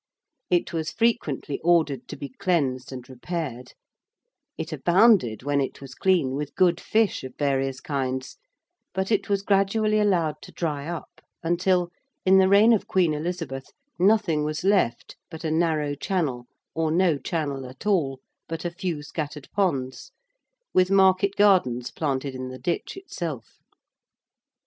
It was frequently ordered to be cleansed and repaired: it abounded, when it was clean, with good fish of various kinds: but it was gradually allowed to dry up until, in the reign of Queen Elizabeth, nothing was left but a narrow channel or no channel at all but a few scattered ponds, with market gardens planted in the ditch itself.